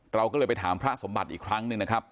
เราก็เลยไปถามพระสมบัติอีกครั้งหนึ่งนะครับ